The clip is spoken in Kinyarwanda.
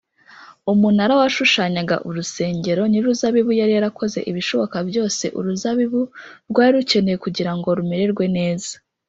umunara washushanyaga urusengero nyir’uruzabibu yari yarakoze ibishoboka byose uruzabibu rwari rukeneye kugira ngo rumererwe neza